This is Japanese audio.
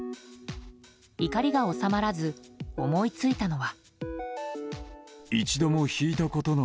怒りが収まらず思いついたのは。